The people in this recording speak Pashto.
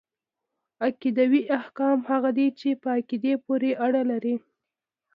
عقيدوي احکام هغه دي چي په عقيدې پوري اړه لري .